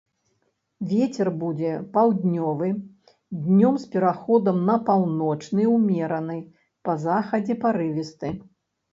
Вецер будзе паўднёвы, днём з пераходам на паўночны ўмераны, па захадзе парывісты.